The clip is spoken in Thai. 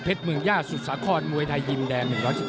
เพชมือย่าสุสคคลมวยไทยยินแดง